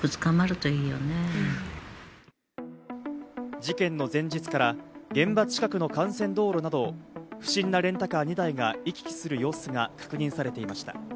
事件の前日から現場近くの幹線道路など、不審なレンタカー２台が行き来する様子が確認されていました。